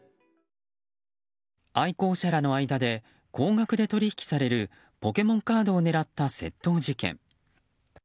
愛好者らの間で高額で取引されるポケモンカードを狙った窃盗事件。